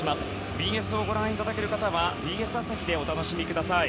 ＢＳをご覧いただける方はＢＳ朝日でお楽しみください。